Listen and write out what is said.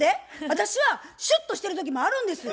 私はシュッとしてる時もあるんですよ。